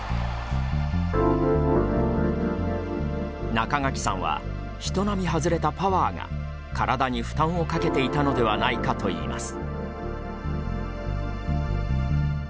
中垣さんは人並み外れたパワーが体に負担をかけていたのではないかと言います。